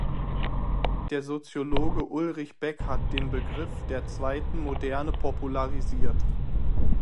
Der Soziologe Ulrich Beck hat den Begriff der Zweiten Moderne popularisiert.